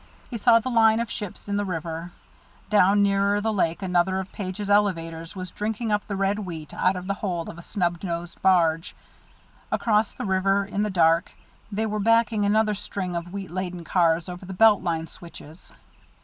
He saw the line of ships in the river; down nearer the lake another of Page's elevators was drinking up the red wheat out of the hold of a snub nosed barge; across the river, in the dark, they were backing another string of wheat laden cars over the Belt Line switches.